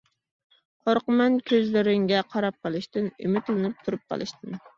قورقىمەن كۆزلىرىڭگە قاراپ قېلىشتىن، ئۈمىدلىنىپ تۇرۇپ قېلىشتىن.